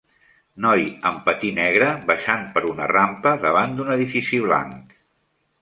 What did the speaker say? Noi amb patí negre baixant per una rampa davant d'un edifici blanc